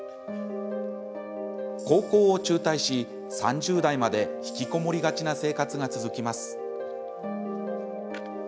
高校を中退し、３０代まで引きこもりがちな生活が続きます。